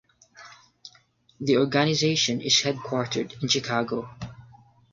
The organization is headquartered in Chicago.